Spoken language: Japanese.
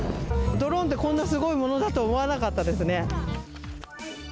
ドローンってこんなすごいものだとは思わなかったですね。